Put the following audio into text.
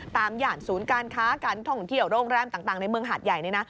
ย่านศูนย์การค้าการท่องเที่ยวโรงแรมต่างในเมืองหาดใหญ่เนี่ยนะ